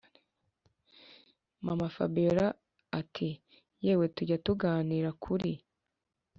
mama-fabiora ati”yewe tujya tuganira kuri